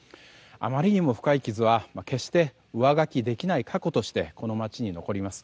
あまりにも深い傷は決して上書きできない過去としてこの街に残ります。